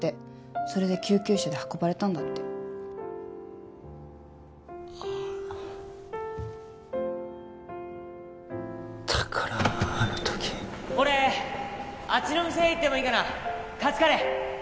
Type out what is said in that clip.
それで救急車で運ばれたんだってだからあのとき俺あっちの店行ってもいいかなカツカレー